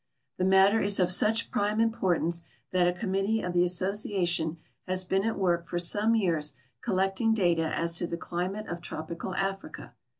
The matter is of such prime importance that a committee of the Asso ciation has been at work for some years collecting data a.s to the climate of tropical Africa.